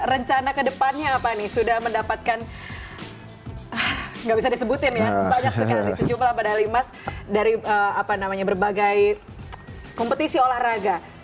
rencana kedepannya apa nih sudah mendapatkan gak bisa disebutin ya banyak sekali sejumlah medali emas dari berbagai kompetisi olahraga